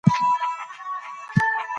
فيلسوفانو د طبعي حقونو په اړه څه نظر درلود؟